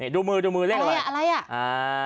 ดูมือเรียกอะไรอ๋ออะไรอะไร